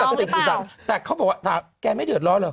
อึกอึกอึกอึกอึกอึก